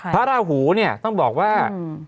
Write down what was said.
พระราหูเนี่ยต้องบอกว่า